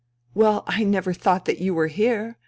" Well, I never thought that you were here